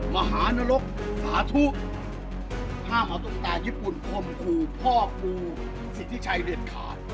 มหานรกสาธุห้ามเอาตุ๊กตาญี่ปุ่นคมคู่พ่อกูสิทธิชัยเด็ดขาด